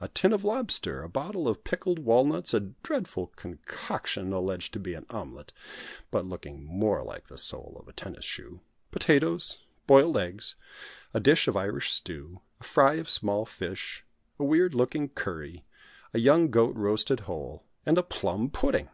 A tin of lobster, a bottle of pickled walnuts, a dreadful concoction, alleged to be an omelette, but looking more like the sole of a tennis shoe, potatoes, boiled eggs, a dish of Irish stew, a fry of small fish, a weird looking curry, a young goat roasted whole, and a plum pudding!